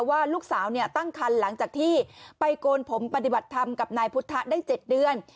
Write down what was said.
ว่าลูกสาวตั้งคันหลังจากที่ไปโกนผมปฏิบัติธรรมกับนายพุทธได้๗เดือน